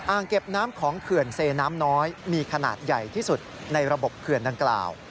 เก็บน้ำของเขื่อนเซน้ำน้อยมีขนาดใหญ่ที่สุดในระบบเขื่อนดังกล่าว